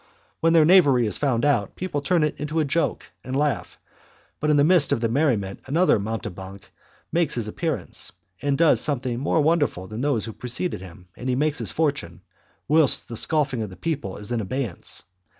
When their knavery is found out people turn it into a joke and laugh, but in the midst of the merriment another mountebank makes his appearance, who does something more wonderful than those who preceded him, and he makes his fortune, whilst the scoffing of the people is in abeyance.